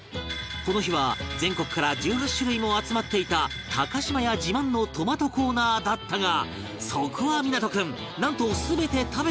この日は全国から１８種類も集まっていた島屋自慢のトマトコーナーだったがそこは湊君なんと全て食べた事あり